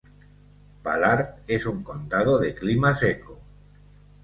Ballard es un condado de clima seco.